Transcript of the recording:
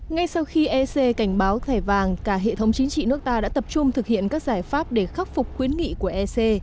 ngay sau khi ec cảnh báo thẻ vàng cả hệ thống chính trị nước ta đã tập trung thực hiện các giải pháp để khắc phục khuyến nghị của ec